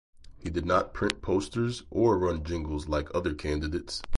He did not print posters or run jingles like other candidates.